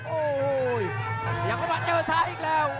โอ้โหอย่างว่ามาเจ้าท้ายอีกแล้ว